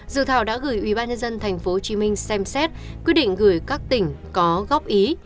dự thảo đã gửi ubnd thành phố hồ chí minh xem xét quyết định gửi các tỉnh có góp ý